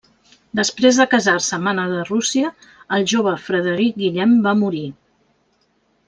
Després de casar-se amb Anna de Rússia, el jove Frederic Guillem va morir.